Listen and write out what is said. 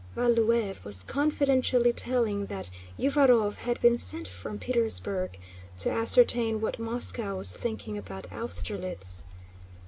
Valúev was confidentially telling that Uvárov had been sent from Petersburg to ascertain what Moscow was thinking about Austerlitz.